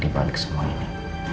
di balik semua ini